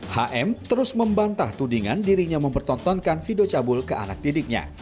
hm terus membantah tudingan dirinya mempertontonkan video cabul ke anak didiknya